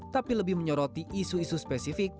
tapi lebih menyoroti isu isu spesifik